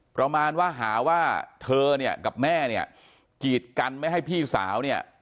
ประมาณว่าหาว่าเธอเนี่ยกับแม่เนี่ยกีดกันไม่ให้พี่สาวเนี่ย